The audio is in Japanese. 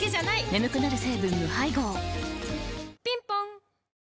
眠くなる成分無配合ぴんぽん